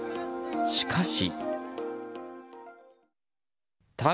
しかし。